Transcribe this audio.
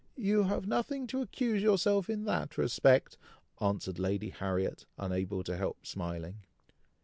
"You have nothing to accuse yourself of in that respect," answered Lady Harriet, unable to help smiling.